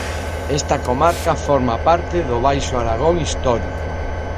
Esta comarca forma parte do Baixo Aragón Histórico.